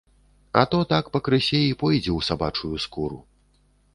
А то так пакрысе і пойдзе ў сабачую скуру.